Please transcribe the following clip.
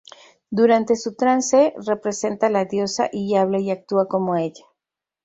Durante su trance, representa la Diosa y habla y actúa como Ella.